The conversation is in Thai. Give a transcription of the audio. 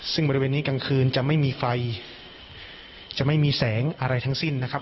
ซึ่งบริเวณนี้กลางคืนจะไม่มีไฟจะไม่มีแสงอะไรทั้งสิ้นนะครับ